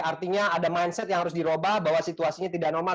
artinya ada mindset yang harus dirobah bahwa situasinya tidak normal